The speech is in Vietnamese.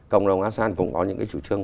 cộng đồng asean cũng có những cái chủ trương